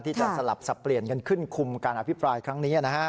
สลับสับเปลี่ยนกันขึ้นคุมการอภิปรายครั้งนี้นะฮะ